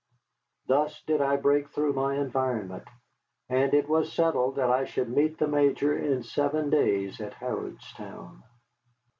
Thus did I break through my environment. And it was settled that I should meet the Major in seven days at Harrodstown.